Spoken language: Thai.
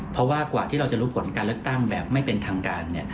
เพราะว่ากว่าที่เราจะรู้ผลการเลือกตั้งแบบไม่เป็นทางการ